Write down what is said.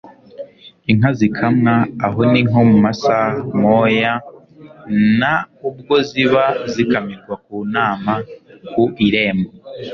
Inka zikamwa aho ni nko mu masaa moya na ubwo ziba zikamirwa ku nama, ku irembo)